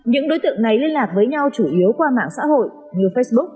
những đối tượng này liên lạc với nhau chủ yếu qua mạng xã hội như facebook